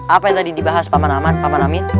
apa yang tadi dibahas paman aman paman amin